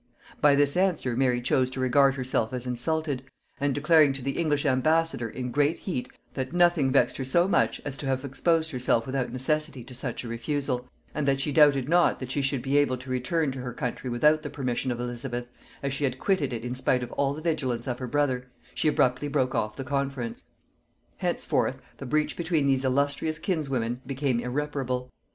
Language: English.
By this answer Mary chose to regard herself as insulted; and declaring to the English ambassador in great heat that nothing vexed her so much as to have exposed herself without necessity to such a refusal, and that she doubted not that she should be able to return to her country without the permission of Elizabeth, as she had quitted it in spite of all the vigilance of her brother, she abruptly broke off the conference. Henceforth the breach between these illustrious kinswomen became irreparable.